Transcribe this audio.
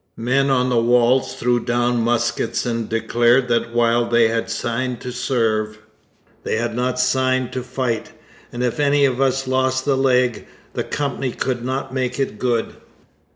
Men on the walls threw down muskets and declared that while they had signed to serve, they had not signed to fight, 'and if any of us lost a leg, the Company could not make it good.'